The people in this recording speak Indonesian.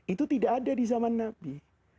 itu tidak ada di zaman nabi